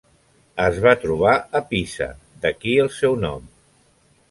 Es va trobar a Pisa, d'aquí el seu nom.